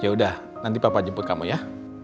yaudah nanti papa jemput kamu ya